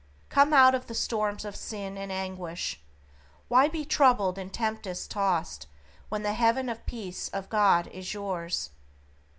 Come out of the storms of sin and anguish. Why be troubled and tempest tossed when the haven of Peace of God is yours!